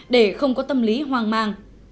để không có tâm lý hoang mang